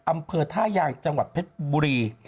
อำเภอท่ายางจังหวัดเพชรบุรี